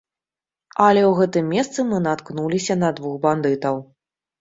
Але ў гэтым месцы мы наткнуліся на двух бандытаў.